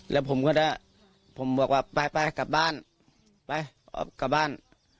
แล้วผมก็ได้ผมบอกว่าไปไปกลับบ้านไปออกกลับบ้าน